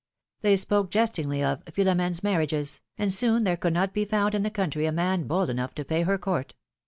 They spoke jestingly of Philomene's mar riages,'^ and soon there could not be found in the country a man bold enough to pay her court.